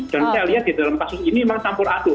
dan saya lihat di dalam kasus ini memang campur aduh